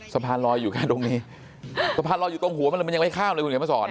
สะพานลอยอยู่แค่ตรงนี้สะพานลอยอยู่ตรงหัวมันเลยมันยังไม่ข้ามเลยคุณเขียนมาสอน